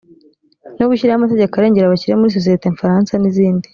no gushyiraho amategeko arengera abakire muri sosiyete nfaransa n’izindi